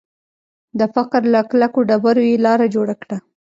د فقر له کلکو ډبرو یې لاره جوړه کړه